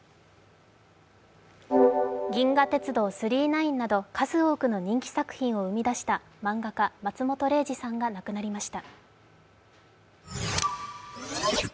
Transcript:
「銀河鉄道９９９」など数多くの人気作品を生み出した漫画家・松本零士さんが亡くなりました。